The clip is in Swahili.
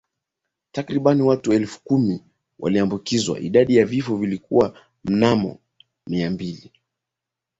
Takriban watu elfu kumi waliambukizwa idadi ya vifo ilikuwa mnamo mia mbili